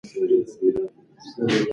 معلم صاحب غواړي واښه ورېبي.